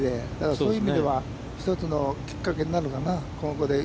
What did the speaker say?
そういう意味では、一つのきっかけになるかな。